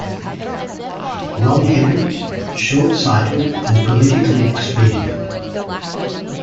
Wrongheaded, shortsighted, and politically expedient.